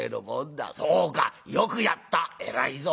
そうかよくやった偉いぞ。